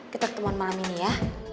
kita ketemuan malam ini ya